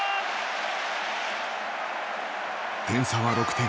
点差は６点。